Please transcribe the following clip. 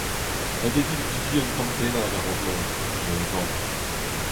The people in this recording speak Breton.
Ret eo dit debriñ un tamm bennak a-raok mont, eme e vamm.